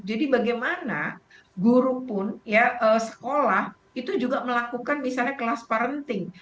jadi bagaimana guru pun sekolah itu juga melakukan misalnya kelas parenting